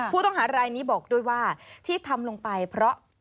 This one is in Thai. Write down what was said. ผู้ต้องหารายนี้บอกด้วยว่าที่ทำลงไปเพราะ